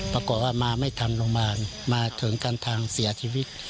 ปรากฏว่ามาไม่ทันโรงพยาบาลมาถึงกันทางเสียชีวิต